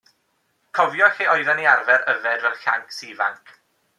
Cofio lle oddan ni'n arfar yfad fel llancs ifanc?